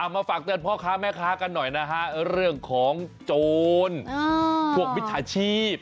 มาฝากเตือนพ่อค้าแม่ค้ากันหน่อยนะฮะเรื่องของโจรพวกมิจฉาชีพ